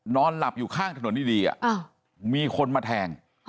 นอนหลับอยู่ข้างถนนดีดีอ่ะอ้าวมีคนมาแทงอ๋อ